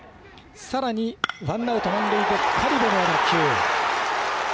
さらにワンアウト、満塁で苅部の打球。